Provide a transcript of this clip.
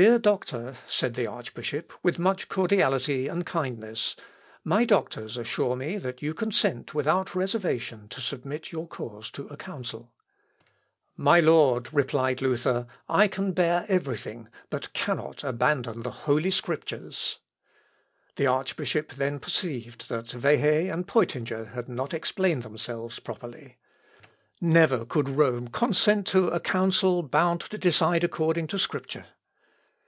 "Dear doctor," said the archbishop, with much cordiality and kindness, "my doctors assure me that you consent without reservation to submit your cause to a Council." "My Lord," replied Luther, "I can bear every thing, but cannot abandon the Holy Scriptures." The archbishop then perceived that Wehe and Peutinger had not explained themselves properly. Never could Rome consent to a Council bound to decide according to Scripture.